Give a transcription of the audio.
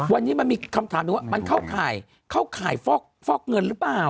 วันนี้มันมีคำถามหนึ่งว่ามันเข้าข่ายเข้าข่ายฟอกเงินหรือเปล่า